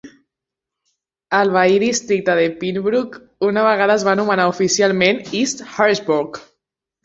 El veí districte de Penbrook, una vegada es va anomenar oficialment East Harrisburg.